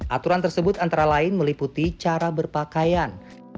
aturan tersebut antara lain meliputi cara berpakaian